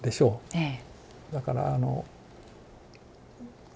ええ。